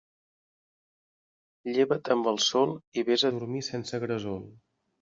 Lleva't amb el sol i vés a dormir sense gresol.